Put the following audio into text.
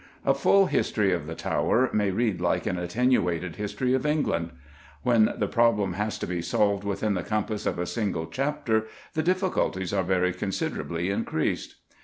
A full history of the Tower may read like an attenuated history of England. When the problem has to be solved within the compass of a single chapter the difficulties are very considerably increased.